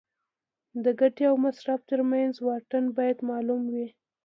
د ګټې او مصرف ترمنځ واټن باید معلوم وي.